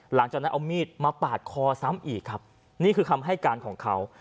หลังจากนั้นเอามีดมาปาดคอซ้ำอีกครับนี่คือคำให้การของเขา